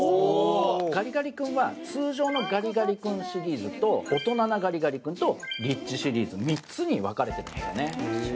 ガリガリ君は通常のガリガリ君シリーズと大人なガリガリ君とリッチシリーズ３つに別れてるからね。